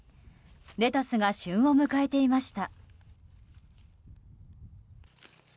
レタスが旬を迎えていました。